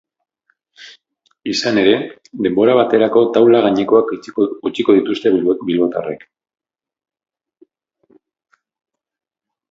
Izan ere, denbora baterako taula gainekoak utziko dituzte bilbotarrek.